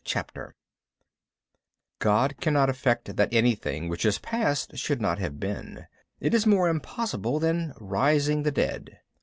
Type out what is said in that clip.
_ VIII God cannot effect that anything which is past should not have been. It is more impossible than rising the dead.